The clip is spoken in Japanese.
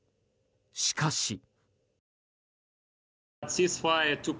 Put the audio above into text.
しかし。